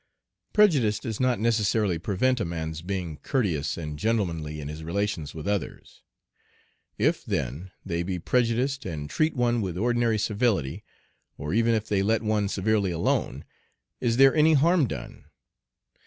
Prejudice does not necessarily prevent a man's being courteous and gentlemanly in his relations with others. If, then, they be prejudiced and treat one with ordinary civility, or even if they let one "severely alone," is there any harm done?